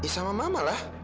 sama mama lah